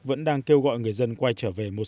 vẫn đang kêu gọi người dân quay trở về một